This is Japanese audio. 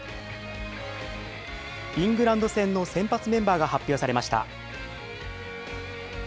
イングランド戦の先発メンバーが発表されました。